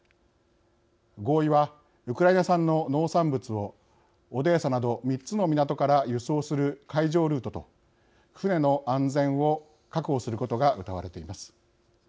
合意は、ウクライナ産の農産物をオデーサなど３つの港から輸送する海上ルートと船の安全を確保することがうたわれています。